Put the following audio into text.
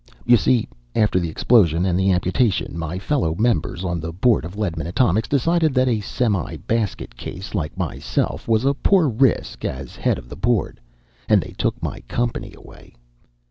"You see, after the explosion and the amputation, my fellow members on the board of Ledman Atomics decided that a semi basket case like myself was a poor risk as Head of the Board, and they took my company away.